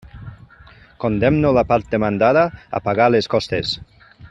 Condemno la part demandada a pagar les costes.